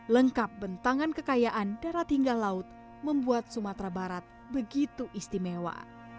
lengkap bentangan kekayaan darat hingga laut membuat sumatera barat begitu istimewa